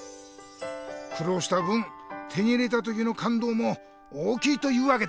くろうした分手に入れた時のかんどうも大きいというわけだな。